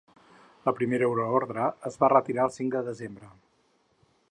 La primera euroordre es va retirar el cinc de desembre.